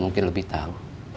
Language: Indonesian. mungkin lebih tahu